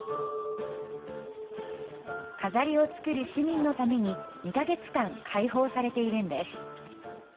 飾りを作る市民のために２か月間、開放されているんです。